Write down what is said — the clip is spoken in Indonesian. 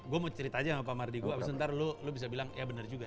gue mau cerita aja sama pak mardi gue abis itu lo bisa bilang ya benar juga